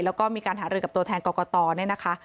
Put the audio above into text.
แล้วก็มีการหารือกับตัวแทนกรกตเนี่ยนะคะ